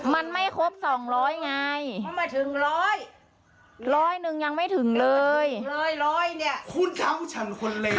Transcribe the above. มันไม่ครบสองร้อยไงร้อยหนึ่งยังไม่ถึงเลย